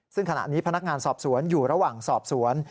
ซึ่งขณะนี้พนักงานสอบสวนอยู่ระหว่างสอบสวน